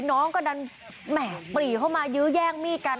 น้องก็ดันแหม่ปรีเข้ามายื้อแย่งมีดกัน